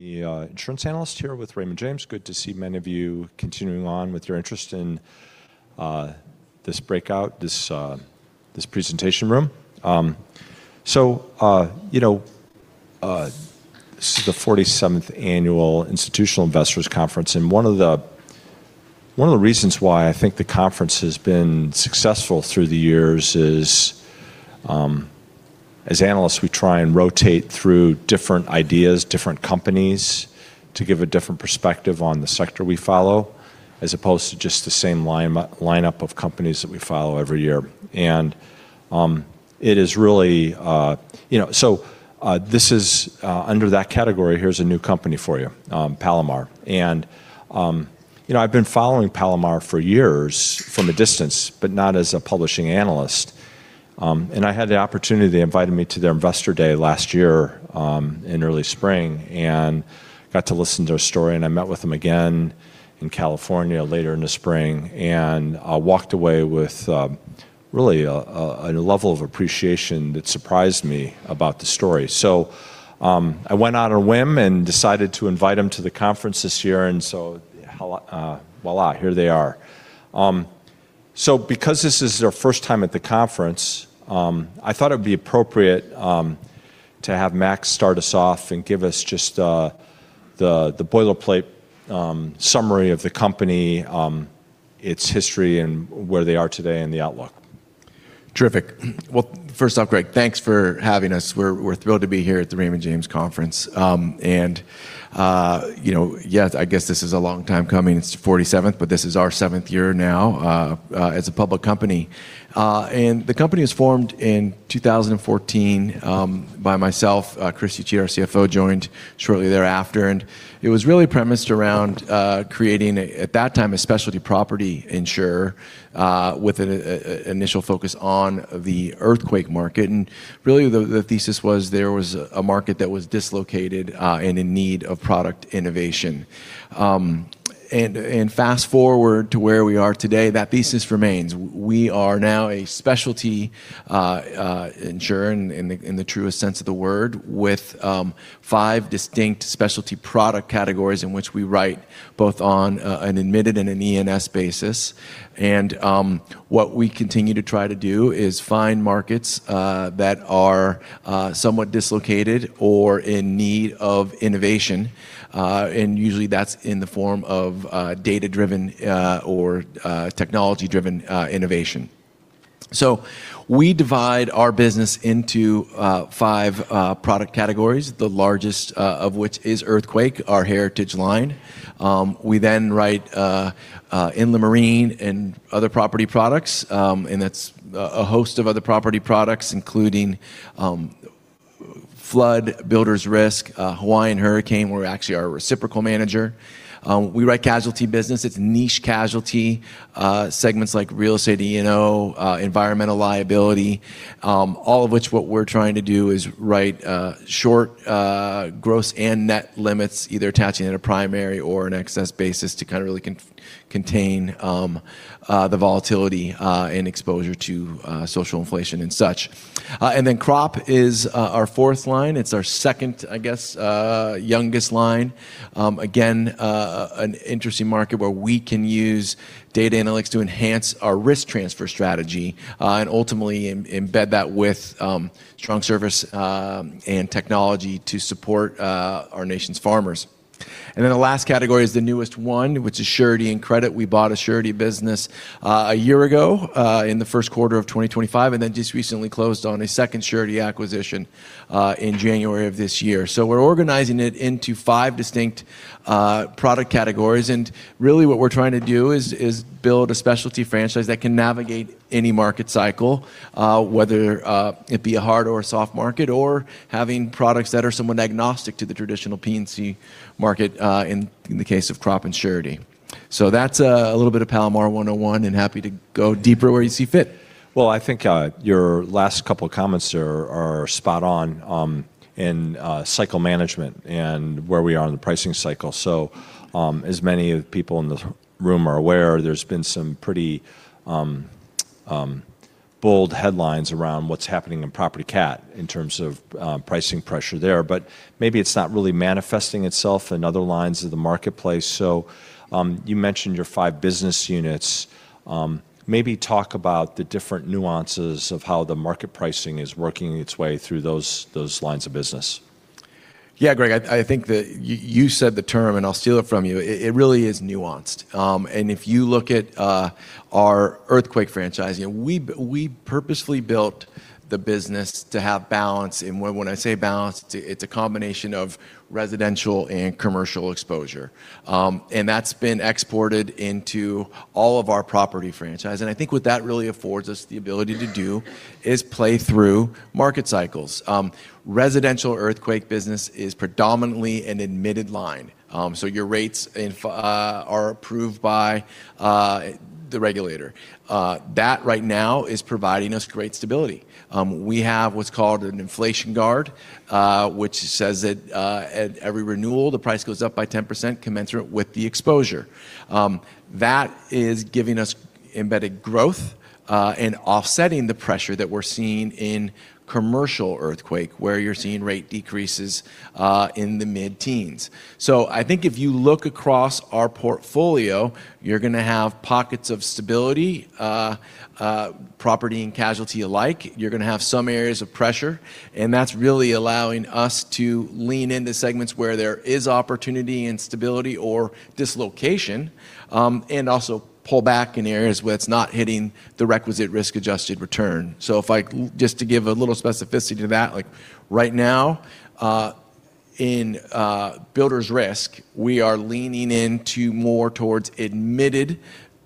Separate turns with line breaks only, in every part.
The insurance analyst here with Raymond James. Good to see many of you continuing on with your interest in this breakout, this presentation room. You know, this is the 47th annual Institutional Investors Conference, and one of the reasons why I think the conference has been successful through the years is, as analysts, we try and rotate through different ideas, different companies to give a different perspective on the sector we follow, as opposed to just the same lineup of companies that we follow every year. It is really. You know, this is under that category, here's a new company for you, Palomar. You know, I've been following Palomar for years from a distance, but not as a publishing analyst. I had the opportunity, they invited me to their investor day last year in early spring and got to listen to a story. I met with them again in California later in the spring and walked away with really a level of appreciation that surprised me about the story. I went on a whim and decided to invite them to the conference this year, voilà, here they are. Because this is their first time at the conference, I thought it would be appropriate to have Mac start us off and give us just the boilerplate summary of the company, its history and where they are today and the outlook.
Terrific. Well, first off, Greg, thanks for having us. We're thrilled to be here at the Raymond James Conference. you know, yeah, I guess this is a long time coming. It's the 47th, but this is our seventh year now as a public company. The company was formed in 2014 by myself, Chris Uchida, our CFO, joined shortly thereafter. It was really premised around creating at that time, a specialty property insurer with an initial focus on the earthquake market. Really the thesis was there was a market that was dislocated and in need of product innovation. Fast-forward to where we are today, that thesis remains. We are now a specialty insurer in the truest sense of the word, with five distinct specialty product categories in which we write both on an admitted and an E&S basis. What we continue to try to do is find markets that are somewhat dislocated or in need of innovation, and usually that's in the form of data-driven or technology-driven innovation. We divide our business into five product categories, the largest of which is earthquake, our heritage line. We then write in the marine and other property products, and that's a host of other property products, including flood, builder's risk, Hawaiian hurricane. We're actually our reciprocal manager. We write casualty business. It's niche casualty segments like real estate E&O, environmental liability, all of which what we're trying to do is write short gross and net limits, either attaching at a primary or an excess basis to kind of really contain the volatility and exposure to social inflation and such. Crop is our fourth line. It's our second, I guess, youngest line. Again, an interesting market where we can use data analytics to enhance our risk transfer strategy and ultimately embed that with strong service and technology to support our nation's farmers. The last category is the newest one, which is surety and credit. We bought a surety business, a year ago, in the first quarter of 2025. Just recently closed on a second surety acquisition, in January of this year. We're organizing it into 5 distinct product categories, and really what we're trying to do is build a specialty franchise that can navigate any market cycle, whether it be a hard or a soft market or having products that are somewhat agnostic to the traditional P&C market, in the case of crop and surety. That's a little bit of Palomar 101, and happy to go deeper where you see fit.
Well, I think, your last couple of comments are spot on, in cycle management and where we are in the pricing cycle. As many of people in this room are aware, there's been some pretty, bold headlines around what's happening in property cat in terms of, pricing pressure there. Maybe it's not really manifesting itself in other lines of the marketplace. You mentioned your five business units. Maybe talk about the different nuances of how the market pricing is working its way through those lines of business.
Yeah, Greg, I think that you said the term, and I'll steal it from you. It really is nuanced. If you look at our earthquake franchise, you know, we purposely built the business to have balance, and when I say balance, it's a combination of residential and commercial exposure. That's been exported into all of our property franchise. I think what that really affords us the ability to do is play through market cycles. Residential earthquake business is predominantly an admitted line. Your rates are approved by the regulator that right now is providing us great stability. We have what's called an Inflation Guard, which says that at every renewal, the price goes up by 10% commensurate with the exposure. That is giving us embedded growth and offsetting the pressure that we're seeing in commercial earthquake, where you're seeing rate decreases in the mid-teens. I think if you look across our portfolio, you're gonna have pockets of stability, property and casualty alike. You're gonna have some areas of pressure, and that's really allowing us to lean into segments where there is opportunity and stability or dislocation, and also pull back in areas where it's not hitting the requisite risk-adjusted return. If I just to give a little specificity to that, like right now, in builder's risk, we are leaning into more towards admitted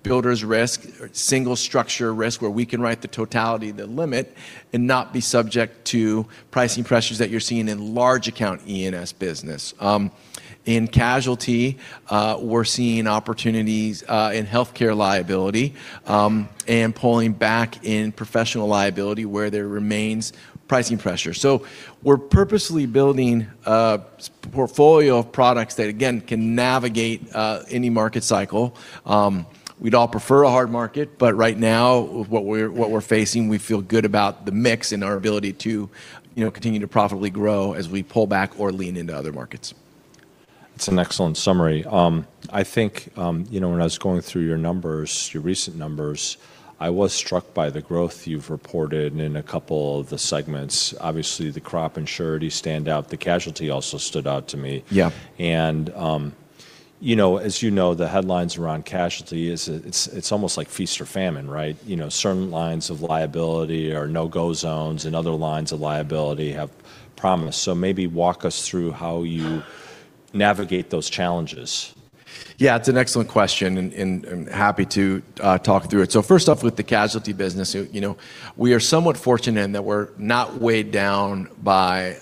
builder's risk or single structure risk, where we can write the totality of the limit and not be subject to pricing pressures that you're seeing in large account E&S business. In casualty, we're seeing opportunities in healthcare liability and pulling back in professional liability where there remains pricing pressure. We're purposely building a portfolio of products that, again, can navigate any market cycle. We'd all prefer a hard market, right now with what we're facing, we feel good about the mix and our ability to, you know, continue to profitably grow as we pull back or lean into other markets.
That's an excellent summary. I think, you know, when I was going through your numbers, your recent numbers, I was struck by the growth you've reported in a couple of the segments. Obviously, the crop and surety stand out. The casualty also stood out to me.
Yeah.
You know, as you know, the headlines around casualty is, it's almost like feast or famine, right? You know, certain lines of liability are no-go zones, and other lines of liability have promise. Maybe walk us through how you navigate those challenges.
Yeah, it's an excellent question, and I'm happy to talk through it. First off, with the casualty business, you know, we are somewhat fortunate in that we're not weighed down by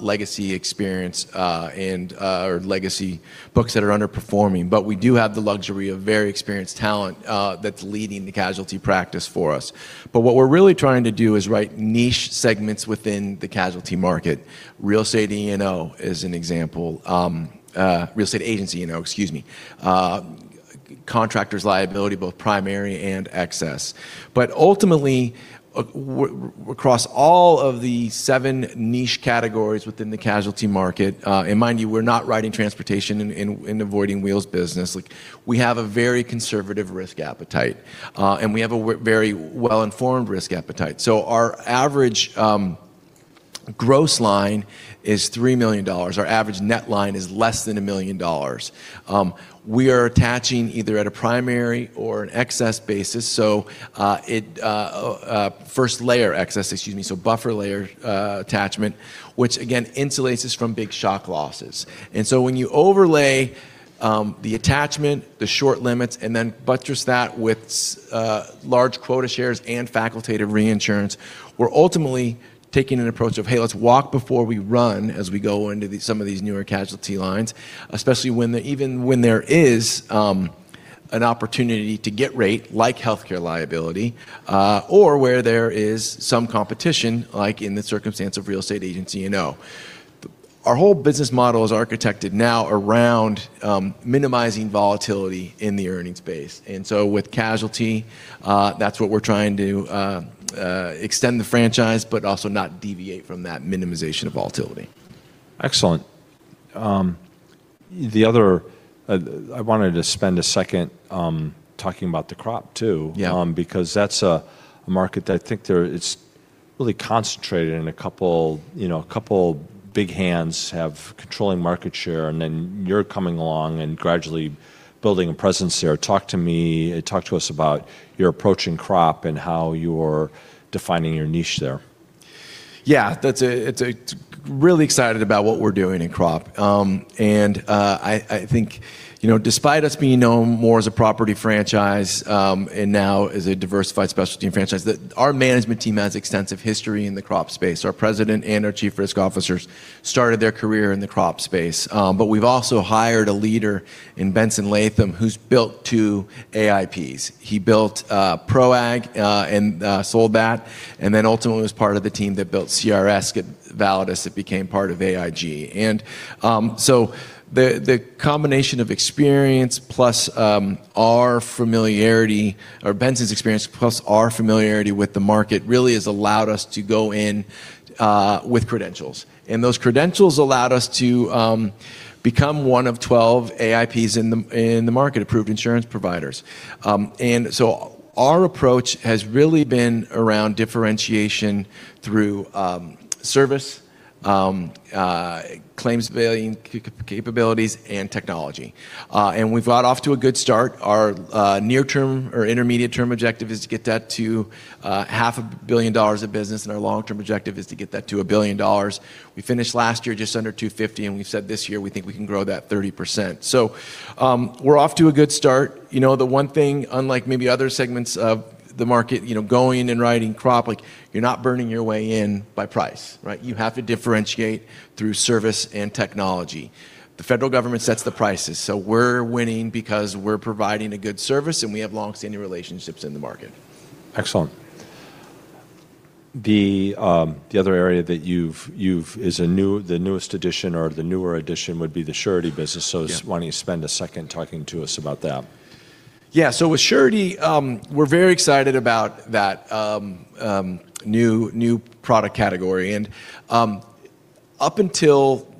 legacy experience, and or legacy books that are underperforming. We do have the luxury of very experienced talent that's leading the casualty practice for us. What we're really trying to do is write niche segments within the casualty market. Real estate E&O is an example. Real estate agency, you know, excuse me. Contractors liability, both primary and excess. Ultimately, across all of the seven niche categories within the casualty market, and mind you, we're not writing transportation and avoiding wheels business. Like, we have a very conservative risk appetite, and we have a very well-informed risk appetite. Our average gross line is $3 million. Our average net line is less than $1 million. We are attaching either at a primary or an excess basis, first layer excess, excuse me, buffer layer attachment, which again insulates us from big shock losses. When you overlay the attachment, the short limits, and then buttress that with large quota shares and facultative reinsurance, we're ultimately taking an approach of, hey, let's walk before we run as we go into some of these newer casualty lines, especially when even when there is an opportunity to get rate, like healthcare liability, or where there is some competition, like in the circumstance of real estate agency E&O. Our whole business model is architected now around minimizing volatility in the earnings base. With casualty, that's what we're trying to extend the franchise, but also not deviate from that minimization of volatility.
Excellent. The other, I wanted to spend a second, talking about the crop too-
Yeah
because that's a market I think there, it's really concentrated and a couple, you know, a couple big hands have controlling market share, and then you're coming along and gradually building a presence there. Talk to me, talk to us about your approach in crop and how you're defining your niche there.
Yeah. It's really excited about what we're doing in crop. I think, you know, despite us being known more as a property franchise and now as a diversified specialty franchise, our management team has extensive history in the crop space. Our president and our chief risk officers started their career in the crop space. We've also hired a leader in Benson Latham, who's built 2 AIPs. He built ProAg and sold that, and then ultimately was part of the team that built CRS at Validus. It became part of AIG. The combination of experience plus our familiarity or Benson's experience plus our familiarity with the market really has allowed us to go in with credentials. Those credentials allowed us to become 12 AIPs in the market, approved insurance providers. Our approach has really been around differentiation through service, valuing capabilities, and technology. We've got off to a good start. Our near term or intermediate term objective is to get that to half a billion dollars of business, and our long-term objective is to get that to $1 billion. We finished last year just under $250 million, and we've said this year we think we can grow that 30%. We're off to a good start. You know, the one thing, unlike maybe other segments of the market, you know, going and writing crop, like, you're not burning your way in by price, right? You have to differentiate through service and technology. The federal government sets the prices, so we're winning because we're providing a good service, and we have long-standing relationships in the market.
Excellent. The other area that the newest addition or the newer addition would be the surety business.
Yeah.
Just why don't you spend a second talking to us about that?
With surety, we're very excited about that new product category. Up until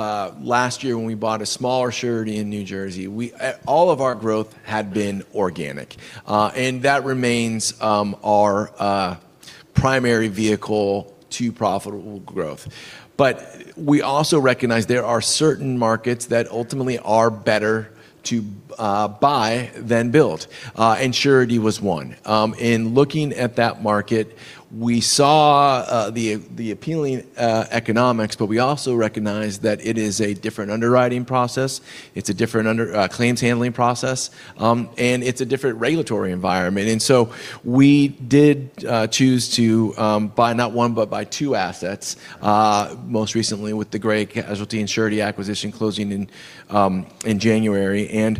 last year when we bought a smaller surety in New Jersey, all of our growth had been organic. That remains our primary vehicle to profitable growth. We also recognize there are certain markets that ultimately are better to buy than build, and surety was one. In looking at that market, we saw the appealing economics, but we also recognized that it is a different underwriting process, it's a different claims handling process, and it's a different regulatory environment. We did choose to buy not one, but buy two assets, most recently with the Gray Casualty & Surety acquisition closing in January.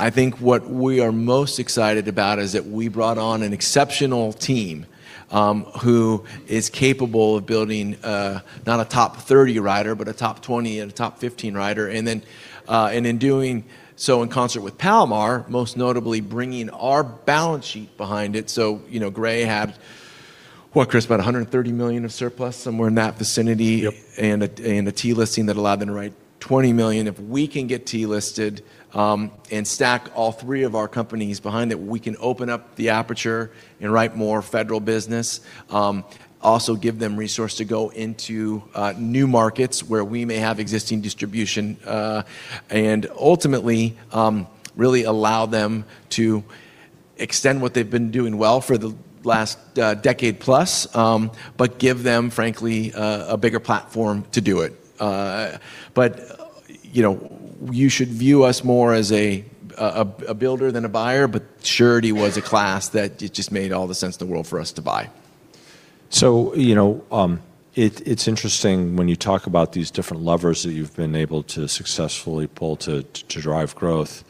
I think what we are most excited about is that we brought on an exceptional team, who is capable of building, not a top 30 writer, but a top 20 and a top 15 writer. In doing so in concert with Palomar, most notably bringing our balance sheet behind it. You know, Gray had, what, Chris, about $130 million of surplus, somewhere in that vicinity.
Yep
...and a, and a T-listing that allowed them to write $20 million. If we can get T-listed, and stack all three of our companies behind it, we can open up the aperture and write more federal business, also give them resource to go into new markets where we may have existing distribution, and ultimately, really allow them to extend what they've been doing well for the last decade plus, but give them, frankly, a bigger platform to do it. But, you know, you should view us more as a builder than a buyer, but surety was a class that it just made all the sense in the world for us to buy.
You know, it's interesting when you talk about these different levers that you've been able to successfully pull to drive growth.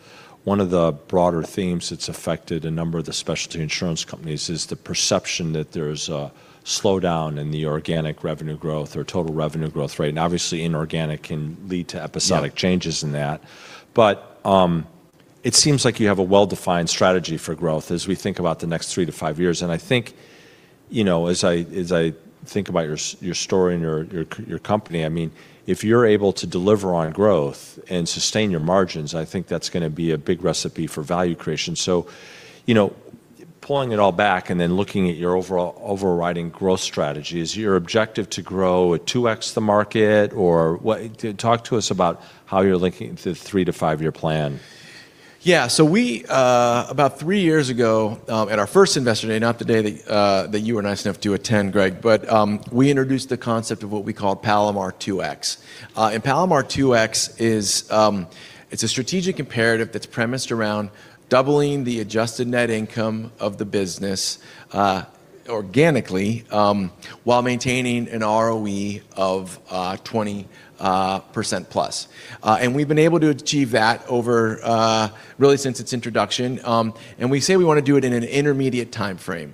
One of the broader themes that's affected a number of the specialty insurance companies is the perception that there's a slowdown in the organic revenue growth or total revenue growth rate. Obviously, inorganic can lead to episodic changes.
Yeah
in that. It seems like you have a well-defined strategy for growth as we think about the next 3-5 years. I think, you know, as I think about your story and your company, I mean, if you're able to deliver on growth and sustain your margins, I think that's gonna be a big recipe for value creation. Pulling it all back and then looking at your overall overriding growth strategy, is your objective to grow at 2x the market? Talk to us about how you're linking the 3-5-year plan.
Yeah. We about three years ago, at our first investor day, not the day that you were nice enough to attend, Greg, but we introduced the concept of what we call Palomar 2X. Palomar 2X is it's a strategic imperative that's premised around doubling the adjusted net income of the business organically, while maintaining an ROE of 20% plus. We've been able to achieve that over really since its introduction. We say we wanna do it in an intermediate timeframe.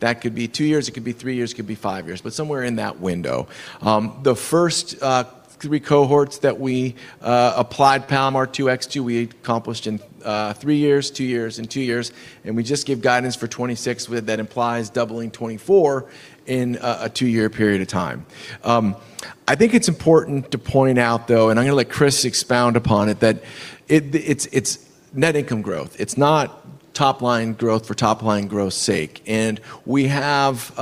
That could be two years, it could be three years, it could be five years, but somewhere in that window. The first three cohorts that we applied Palomar 2X to, we accomplished in three years, two years, and two years, and we just gave guidance for 2026 with that implies doubling 2024 in a two-year period of time. I think it's important to point out, though, and I'm gonna let Chris expound upon it, that it's net income growth. It's not top line growth for top line growth's sake. We have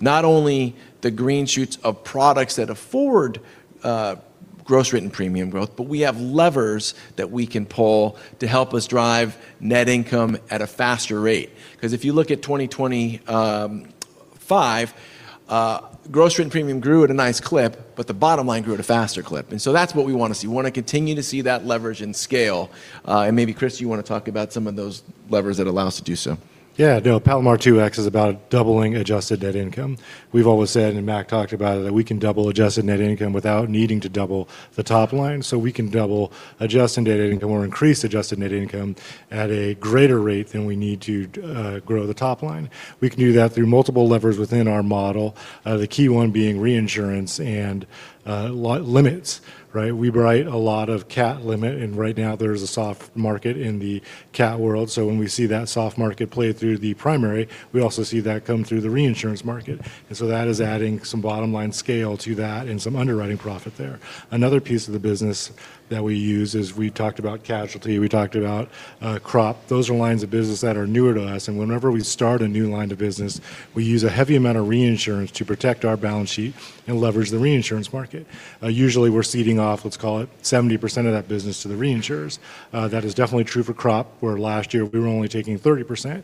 not only the green shoots of products that afford gross written premium growth, but we have levers that we can pull to help us drive net income at a faster rate. 'Cause if you look at 2025, gross written premium grew at a nice clip, but the bottom line grew at a faster clip. That's what we wanna see. We wanna continue to see that leverage and scale. Maybe, Chris, you wanna talk about some of those levers that allow us to do so?
Yeah, no, Palomar 2X is about doubling adjusted net income. We've always said, and Mac talked about it, that we can double adjusted net income without needing to double the top line. We can double adjusted net income or increase adjusted net income at a greater rate than we need to grow the top line. We can do that through multiple levers within our model, the key one being reinsurance and limits, right? We write a lot of cat limit, and right now there's a soft market in the cat world. When we see that soft market play through the primary, we also see that come through the reinsurance market. That is adding some bottom-line scale to that and some underwriting profit there. Another piece of the business that we use is we talked about casualty, we talked about crop. Those are lines of business that are newer to us. Whenever we start a new line of business, we use a heavy amount of reinsurance to protect our balance sheet and leverage the reinsurance market. Usually we're ceding off, let's call it 70% of that business to the reinsurers. That is definitely true for crop, where last year we were only taking 30%.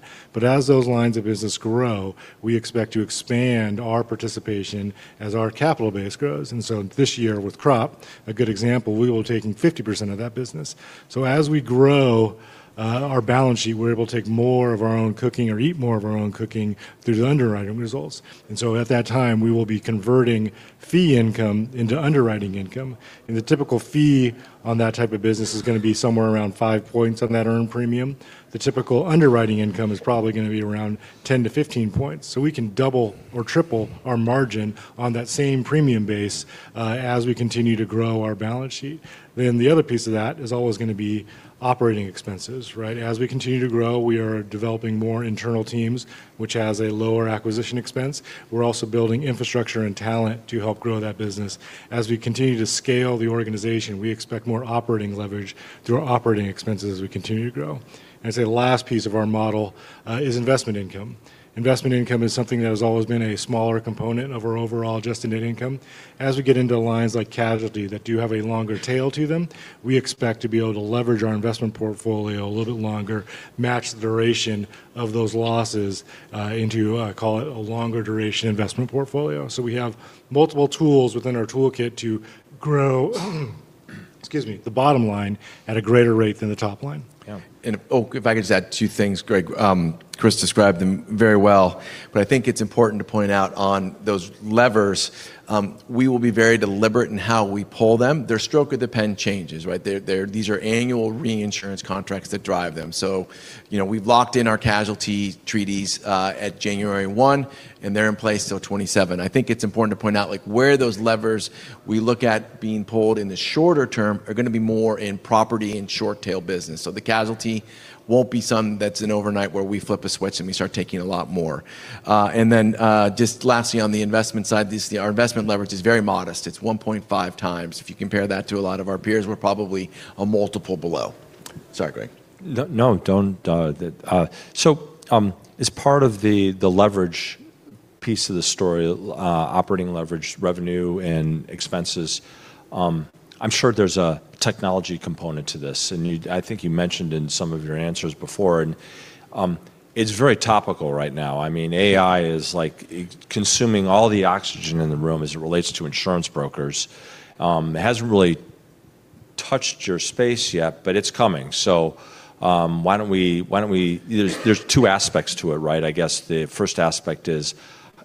As those lines of business grow, we expect to expand our participation as our capital base grows. This year with crop, a good example, we were taking 50% of that business. As we grow, our balance sheet, we're able to take more of our own cooking or eat more of our own cooking through the underwriting results. At that time, we will be converting fee income into underwriting income, and the typical fee on that type of business is gonna be somewhere around five points on that earned premium. The typical underwriting income is probably gonna be around 10-15 points. We can double or triple our margin on that same premium base, as we continue to grow our balance sheet. The other piece of that is always gonna be operating expenses, right? As we continue to grow, we are developing more internal teams, which has a lower acquisition expense. We're also building infrastructure and talent to help grow that business. As we continue to scale the organization, we expect more operating leverage through our operating expenses as we continue to grow. I'd say the last piece of our model, is investment income. Investment income is something that has always been a smaller component of our overall adjusted net income. As we get into lines like casualty that do have a longer tail to them, we expect to be able to leverage our investment portfolio a little bit longer, match the duration of those losses, into, call it a longer duration investment portfolio. We have multiple tools within our toolkit to grow, excuse me, the bottom line at a greater rate than the top line.
Yeah. Oh, if I could just add two things, Greg, Chris described them very well, but I think it's important to point out on those levers, we will be very deliberate in how we pull them. Their stroke of the pen changes, right? These are annual reinsurance contracts that drive them. You know, we've locked in our casualty treaties at January 1, and they're in place till 27. I think it's important to point out, like, where those levers we look at being pulled in the shorter term are gonna be more in property and short tail business. The casualty won't be something that's an overnight where we flip a switch and we start taking a lot more. Just lastly on the investment side, our investment leverage is very modest. It's 1.5 times. If you compare that to a lot of our peers, we're probably a multiple below. Sorry, Greg.
No, no, don't, that. As part of the leverage piece of the story, operating leverage revenue and expenses, I'm sure there's a technology component to this. I think you mentioned in some of your answers before. It's very topical right now. I mean, AI is like consuming all the oxygen in the room as it relates to insurance brokers. It hasn't really touched your space yet, but it's coming. Why don't we... There's two aspects to it, right? I guess the first aspect is,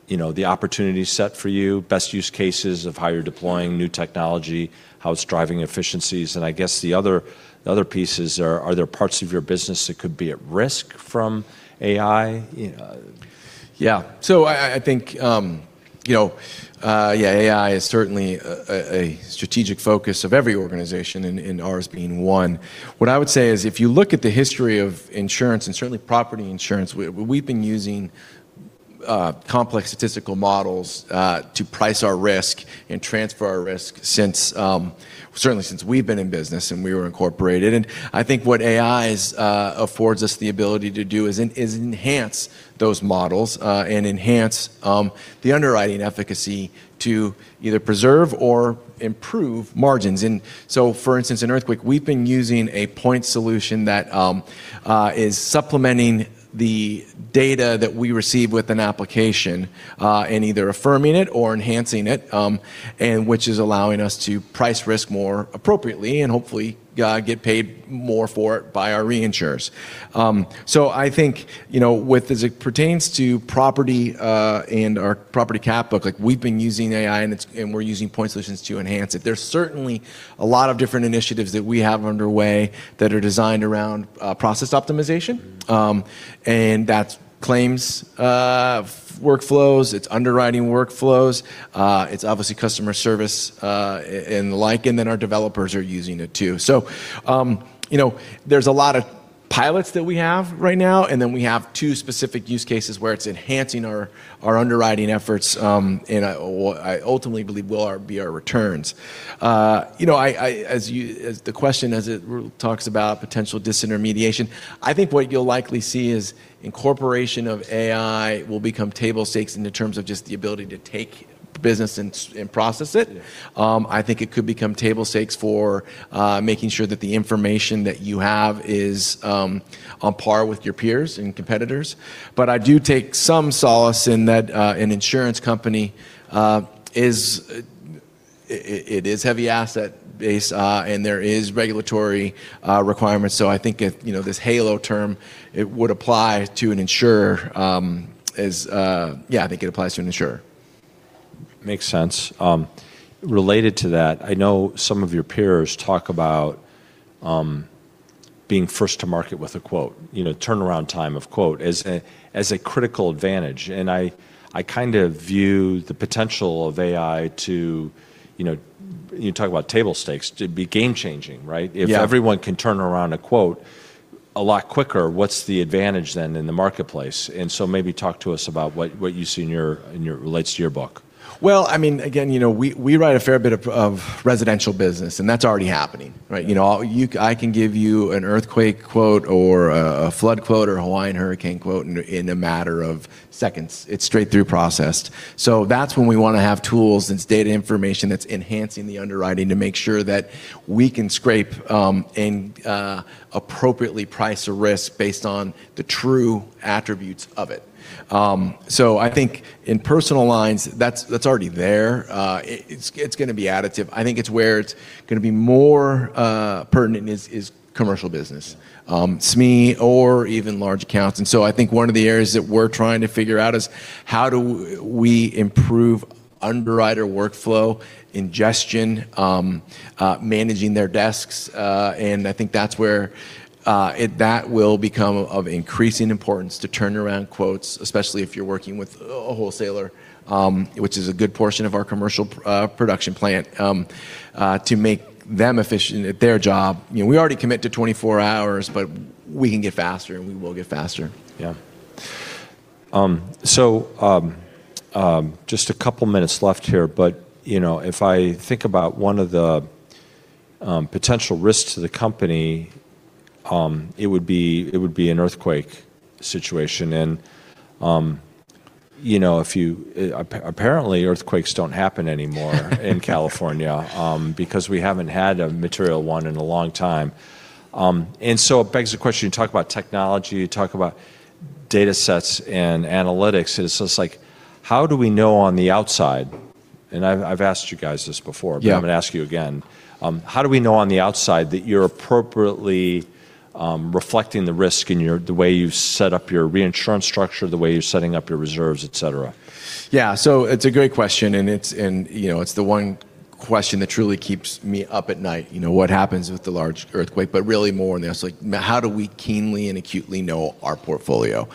you know, the opportunity set for you, best use cases of how you're deploying new technology, how it's driving efficiencies, and I guess the other piece is, are there parts of your business that could be at risk from AI? You know.
I think, you know, AI is certainly a strategic focus of every organization and ours being one. What I would say is if you look at the history of insurance and certainly property insurance, we've been using complex statistical models to price our risk and transfer our risk since certainly since we've been in business and we were incorporated. I think what AI affords us the ability to do is enhance those models and enhance the underwriting efficacy to either preserve or improve margins. For instance, in earthquake, we've been using a point solution that is supplementing the data that we receive with an application and either affirming it or enhancing it, which is allowing us to price risk more appropriately and hopefully get paid more for it by our reinsurers. I think, you know, with as it pertains to property and our property cat book, like we've been using AI and we're using point solutions to enhance it. There's certainly a lot of different initiatives that we have underway that are designed around process optimization, that's claims workflows, it's underwriting workflows, it's obviously customer service and the like, and then our developers are using it too. You know, there's a lot of pilots that we have right now, we have two specific use cases where it's enhancing our underwriting efforts, and I ultimately believe will be our returns. You know, as the question talks about potential disintermediation, I think what you'll likely see is incorporation of AI will become table stakes in the terms of just the ability to take business and process it. I think it could become table stakes for making sure that the information that you have is on par with your peers and competitors. I do take some solace in that, an insurance company, it is heavy asset base, and there is regulatory requirements. I think it, you know, this halo term, it would apply to an insurer. Yeah, I think it applies to an insurer.
Makes sense. related to that, I know some of your peers talk about, being first to market with a quote, you know, turnaround time of quote as a, as a critical advantage, I kind of view the potential of AI to, you know... You talk about table stakes. To be game-changing, right?
Yeah.
If everyone can turn around a quote a lot quicker, what's the advantage then in the marketplace? Maybe talk to us about what you see in your relates to your book.
Well, I mean, again, you know, we write a fair bit of residential business, that's already happening, right? You know, I can give you an earthquake quote or a flood quote or a Hawaiian hurricane quote in a matter of seconds. It's straight through processed. That's when we wanna have tools, it's data information that's enhancing the underwriting to make sure that we can scrape and appropriately price a risk based on the true attributes of it. I think in personal lines, that's already there. It's gonna be additive. I think it's where it's gonna be more pertinent is commercial business. SME or even large accounts. I think one of the areas that we're trying to figure out is how do we improve underwriter workflow ingestion, managing their desks, and I think that's where that will become of increasing importance to turn around quotes, especially if you're working with a wholesaler, which is a good portion of our commercial production plan, to make them efficient at their job. You know, we already commit to 24 hours, but we can get faster, and we will get faster.
Yeah. Just a couple minutes left here, you know, if I think about one of the potential risks to the company, it would be an earthquake situation, you know, apparently earthquakes don't happen anymore in California because we haven't had a material one in a long time. It begs the question, you talk about technology, you talk about data sets and analytics, and it's just like how do we know on the outside? I've asked you guys this before.
Yeah
I'm gonna ask you again. How do we know on the outside that you're appropriately reflecting the risk in the way you set up your reinsurance structure, the way you're setting up your reserves, et cetera?
Yeah. It's a great question and it's, you know, it's the one question that truly keeps me up at night. You know, what happens with the large earthquake? Really more than this, like, how do we keenly and acutely know our portfolio?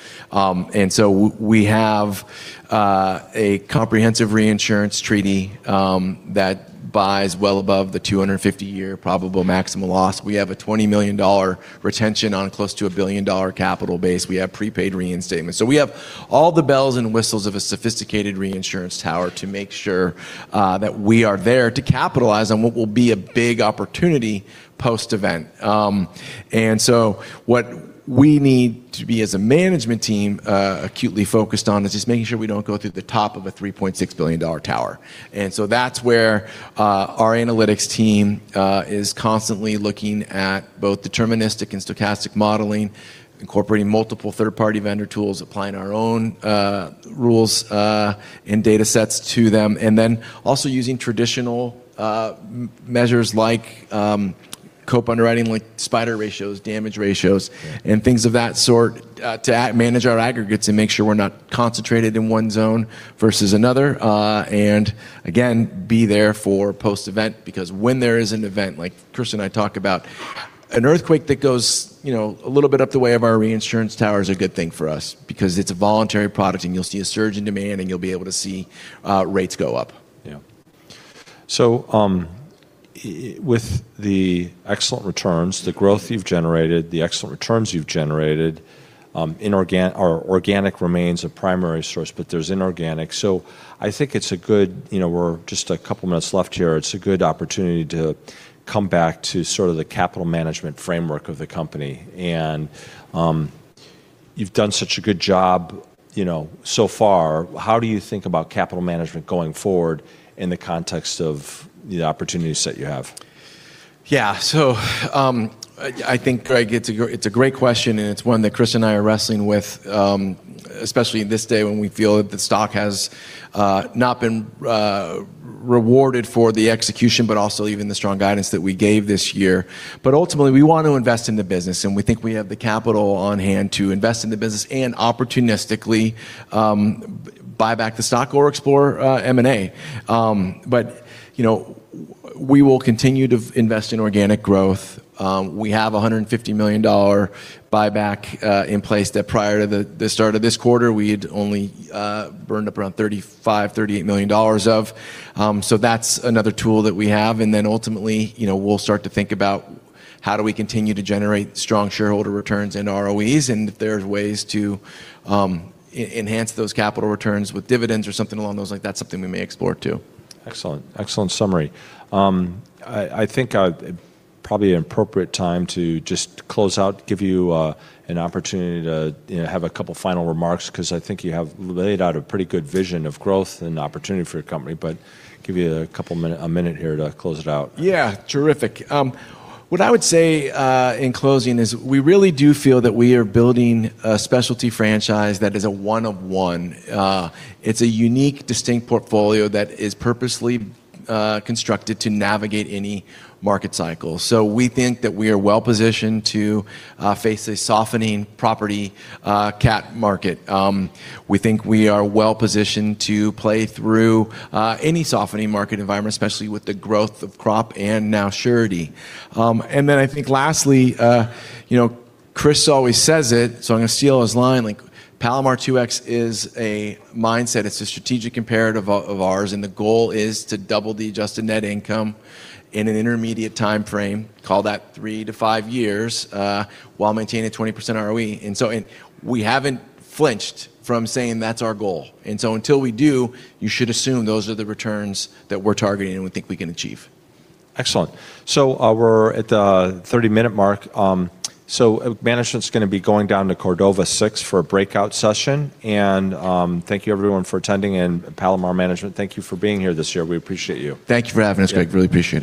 We have a comprehensive reinsurance treaty that buys well above the 250-year probable maximum loss. We have a $20 million retention on close to a $1 billion capital base. We have prepaid reinstatement. We have all the bells and whistles of a sophisticated reinsurance tower to make sure that we are there to capitalize on what will be a big opportunity post-event. What we need to be as a management team, acutely focused on is just making sure we don't go through the top of a $3.6 billion tower. That's where our analytics team is constantly looking at both deterministic and stochastic modeling, incorporating multiple third-party vendor tools, applying our own rules and data sets to them, and then also using traditional measures like COPE underwriting, like spider ratios, damage ratios, and things of that sort, to manage our aggregates and make sure we're not concentrated in one zone versus another. Again, be there for post-event because when there is an event, like Chris and I talk about, an earthquake that goes a little bit up the way of our reinsurance tower is a good thing for us because it's a voluntary product and you'll see a surge in demand and you'll be able to see rates go up.
Yeah. with the excellent returns, the growth you've generated, or organic remains a primary source, but there's inorganic. I think it's a good. You know, we're just a couple minutes left here. It's a good opportunity to come back to sort of the capital management framework of the company. you've done such a good job, you know, so far. How do you think about capital management going forward in the context of the opportunities that you have?
Yeah. I think, Greg, it's a great question, and it's one that Chris and I are wrestling with, especially in this day when we feel that the stock has not been rewarded for the execution, but also even the strong guidance that we gave this year. Ultimately, we want to invest in the business, and we think we have the capital on hand to invest in the business and opportunistically buy back the stock or explore M&A. You know, we will continue to invest in organic growth. We have a $150 million buyback in place that prior to the start of this quarter, we'd only burned up around $35 million-$38 million of. That's another tool that we have. Ultimately, you know, we'll start to think about how do we continue to generate strong shareholder returns and ROEs, and if there's ways to enhance those capital returns with dividends or something along those line, that's something we may explore too.
Excellent. Excellent summary. I think, probably an appropriate time to just close out, give you an opportunity to, you know, have a couple final remarks 'cause I think you have laid out a pretty good vision of growth and opportunity for your company. Give you a couple minute, a minute here to close it out.
Yeah. Terrific. What I would say in closing is we really do feel that we are building a specialty franchise that is a one of one. It's a unique, distinct portfolio that is purposely constructed to navigate any market cycle. We think that we are well-positioned to face a softening property cat market. We think we are well-positioned to play through any softening market environment, especially with the growth of crop and now surety. I think lastly, you know, Chris always says it, so I'm gonna steal his line, like Palomar 2X is a mindset. It's a strategic imperative of ours, and the goal is to double the adjusted net income in an intermediate timeframe, call that 3-5 years, while maintaining 20% ROE. We haven't flinched from saying that's our goal. Until we do, you should assume those are the returns that we're targeting and we think we can achieve.
Excellent. We're at the 30-minute mark. Management's gonna be going down to Cordova Six for a breakout session. Thank you everyone for attending. Palomar management, thank you for being here this year. We appreciate you.
Thank you for having us, Greg. Really appreciate it.